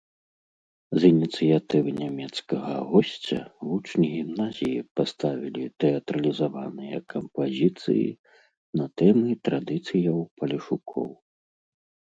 З ініцыятывы нямецкага госця вучні гімназіі паставілі тэатралізаваныя кампазіцыі на тэмы традыцыяў палешукоў.